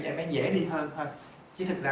em bé dễ đi hơn hơn chứ thật ra